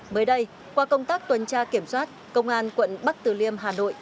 mới đây qua công tác tuần tra kiểm soát công an quận bắc từ liêm hà nội